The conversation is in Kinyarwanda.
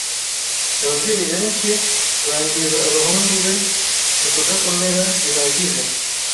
Ababyeyi benshi bangiza abahungu be mu kudakomera bihagije.